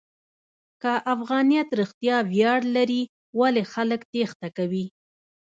که افغانیت رښتیا ویاړ لري، ولې خلک تېښته کوي؟